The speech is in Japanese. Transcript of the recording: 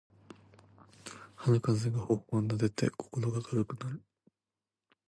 春風が頬をなでて心が軽くなる